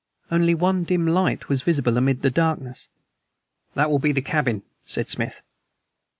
Only one dim light was visible amid this darkness. "That will be the cabin," said Smith.